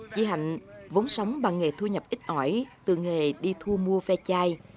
chị hạnh vốn sống bằng nghề thu nhập ít ỏi từ nghề đi thu mua ve chai